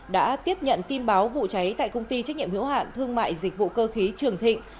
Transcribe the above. đã tiếp nhận tin báo vụ cháy tại công ty trách nhiệm hữu hạn thương mại dịch vụ cơ khí trường thịnh